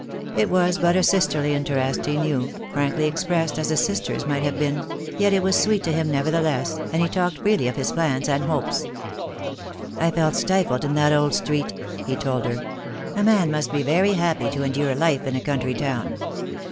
It was but a sisterly interest, he knew, frankly expressed as a sister's might have been; yet it was sweet to him nevertheless, and he talked freely of his plans and hopes. "I felt stifled in that old street," he told her. "A man must be very happy to endure life in a country town."